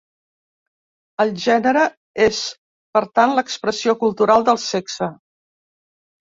El gènere és per tant l'expressió cultural del sexe.